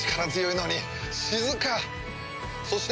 そして。